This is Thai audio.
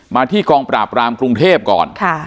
มาที่กองปราบรามกรุงเทพก่อน